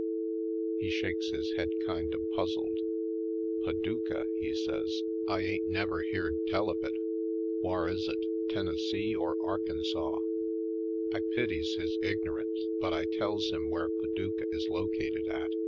He shakes his head kind of puzzled. *Taducah?" he says. "I ain't never 74 /• Poindexter^ Colored beared tell of it. Whar is it — Tennessee or Arkansaw?" I pities his ignorance, but I tells bim where Paducah is located at.